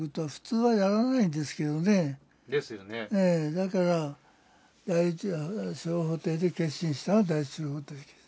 だから第一小法廷で結審したら第一小法廷で。